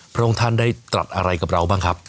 พระองค์ท่านได้ตรัสอะไรกับเราบ้างครับ